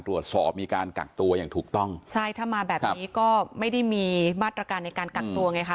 มีการกักตัวอย่างถูกต้องใช่ถ้ามาแบบนี้ก็ไม่ได้มีมาตรการในการกักตัวไงคะ